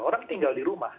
orang tinggal di rumah